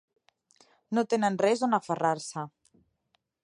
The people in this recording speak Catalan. No tenen res on aferrar-se.